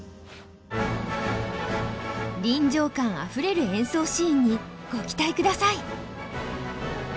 臨場感あふれる演奏シーンにご期待ください！